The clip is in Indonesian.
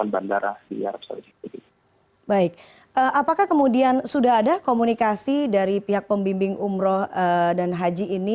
baik apakah kemudian sudah ada komunikasi dari pihak pembimbing umroh dan haji ini